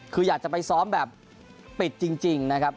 คืออยากจะไปซ้อมแบบปิดจริงนะครับ